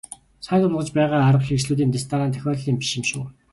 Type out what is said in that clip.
Санал болгож байгаа арга хэрэгслүүдийн дэс дараа нь тохиолдлын биш юм шүү.